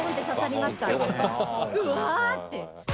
うわ！って。